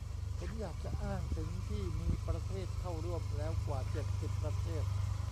ผมอยากจะอ้างถึง ที่มีประเทศเข้าร่วมแล้วกว่า เจ็ดสิบ ประเทศ